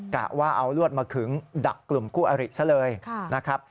กะว่าเอาลวดมาขึงดักกลุ่มคู่อริซะเลยนะครับ